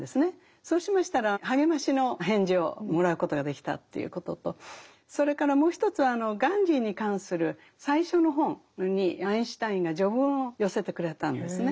そうしましたら励ましの返事をもらうことができたということとそれからもう一つはガンジーに関する最初の本にアインシュタインが序文を寄せてくれたんですね。